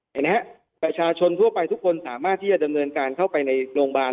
เห็นไหมครับประชาชนทั่วไปทุกคนสามารถที่จะดำเนินการเข้าไปในโรงพยาบาล